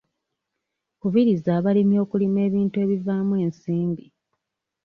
Kubiriza abalimi okulima ebintu ebivaamu ensimbi.